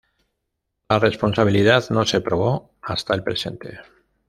La responsabilidad no se probó hasta el presente.